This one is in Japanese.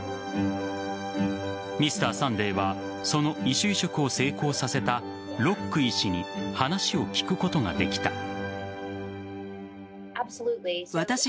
「Ｍｒ．サンデー」はその異種移植を成功させたロック医師に話を聞くことができた。